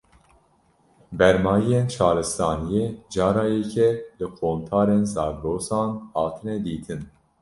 Bermayiyên şaristaniyê, cara yekê li qontarên Zagrosan hatine dîtin